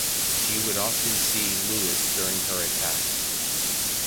She would often see Louis during her attacks.